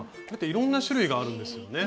いろんな種類があるんですよね。